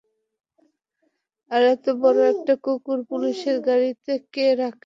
আর এত বড় একটা কুকুর পুলিশের গাড়িতে কে রাখে?